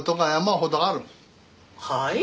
はい？